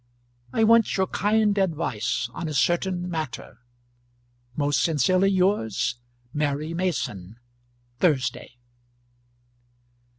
I want your kind advice on a certain matter. Most sincerely yours, MARY MASON. Thursday.